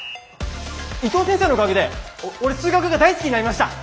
伊藤先生のおかげで俺数学が大好きになりました！